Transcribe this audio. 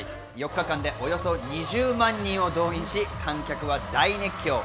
４日間でおよそ２０万人を動員し、観客は大熱狂。